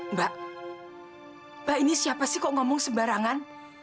mbak mbak ini siapa sih kok ngomong sembarangan